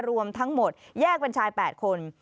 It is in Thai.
รวมทั้งหมดแยกเป็นชาย๘คน